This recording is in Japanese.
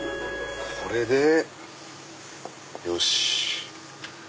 これでよし。